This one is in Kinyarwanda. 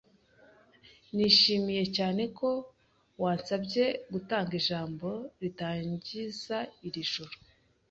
Nishimiye cyane ko wansabye gutanga ijambo ritangiza iri joro.